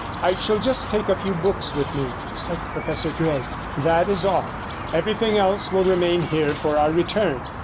51 'I shall just take a few books with me,' said Professor Gregg, 'that is all. Everything else will remain here for our return.